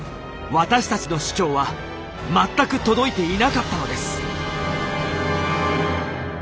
私たちの主張は全く届いていなかったのです。